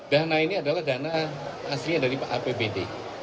dana ini adalah dana aslinya dari apbd